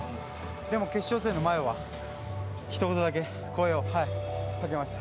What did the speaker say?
でも決勝戦の前はひと言だけ声をかけました。